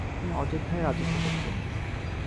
তিনি অযোধ্যায় রাজত্ব করতেন।